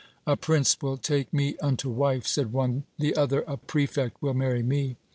"A prince will take me unto wife," said one, the other, "A prefect will marry me."